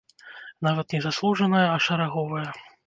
Нават не заслужаная, а шараговая.